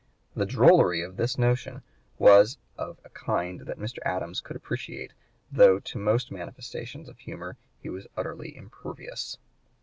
The drollery pf (p. 134) this notion was of a kind that Mr. Adams could appreciate, though to most manifestations of humor he was utterly impervious.